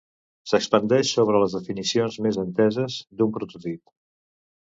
S'expandeix sobre les definicions més enteses d'un prototip.